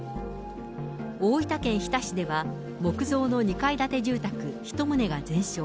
大分県日田市では、木造の２階建住宅１棟が全焼。